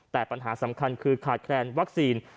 แต่ปัญหาสำคัญคือขาดแคลนวัคซีน